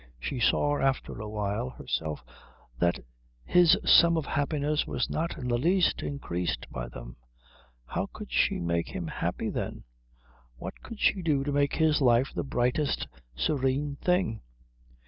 She saw after a while herself that his sum of happiness was not in the least increased by them. How could she make him happy, then? What could she do to make his life the brightest serene thing?